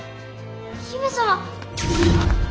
姫様！